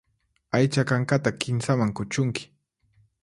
Aycha kankata kinsaman kuchunki.